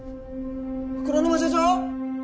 黒沼社長！？